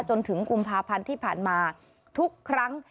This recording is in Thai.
จนถึงกุมภาพันธ์ที่ผ่านมาทุกครั้ง